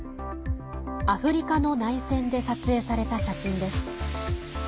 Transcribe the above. アフリカの内戦で撮影された写真です。